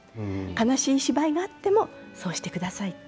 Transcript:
悲しい芝居があってもそうしてくださいって。